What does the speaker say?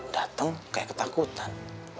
dateng kayak ketakutan